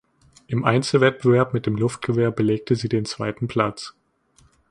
Im Einzelwettbewerb mit dem Luftgewehr belegte sie den zweiten Platz.